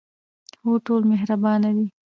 هو، ټول مهربانه دي